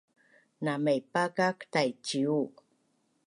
Na maipakak Taiciu